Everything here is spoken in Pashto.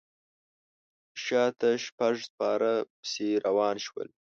شاته شپږ سپاره پسې روان شول.